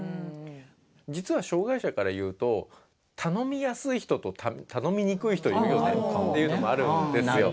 実は障害者から言うと頼みやすい人と頼みにくい人いるよねっていうのもあるんですよ。